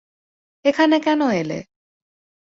এখানে কেন এলে?